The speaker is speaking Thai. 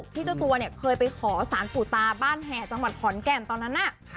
ที่ตัวเคยไปขอสารผูตาบ้านแห่จังหวัดขอนแก่นตอนนั้น